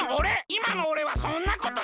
いまのおれはそんなことしない！